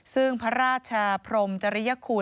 ซึ่งพระราชพรมจะเรียก